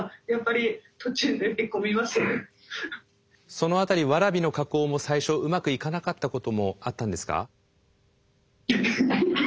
その辺りワラビの加工も最初うまくいかなかったこともあったんですか？